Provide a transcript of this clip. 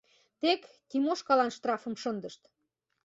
Тек Тимошкалан штрафым шындышт!